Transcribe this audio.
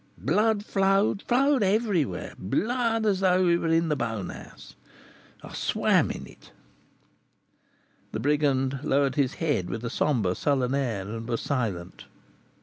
Blood flowed, flowed everywhere, blood, as though we were in the bone house, I swam in it " The brigand lowered his head with a sombre, sullen air, and was silent.